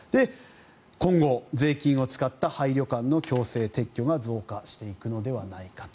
今後、税金を使った廃旅館の強制撤去が増加していくのではないかと。